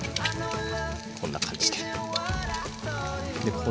こんな感じで。